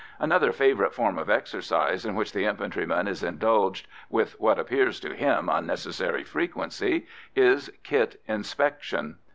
Another favourite form of exercise, in which the infantryman is indulged with what appears to him unnecessary frequency, is kit inspection.